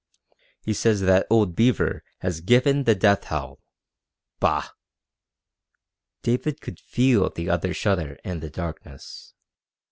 He says that old Beaver has given the death howl. Bah!" David could feel the other's shudder in the darkness.